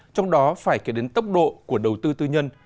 trong đó phải kể đến tốc độ của đầu tư tư nhân